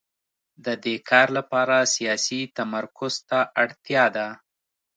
د دې کار لپاره سیاسي تمرکز ته اړتیا ده